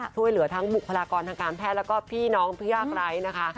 ช่วยเหลือทั้งบุคลากรทางการแพทย์แล้วก็พี่น้องผู้ยากไร้นะคะ